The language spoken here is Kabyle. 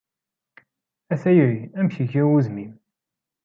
A tayri amek yegga wudem-im?